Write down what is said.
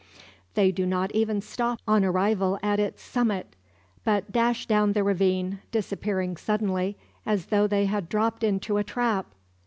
They do not even stop on arrival at its summit; but dash down the ravine, disappearing suddenly as though they had dropped into a trap!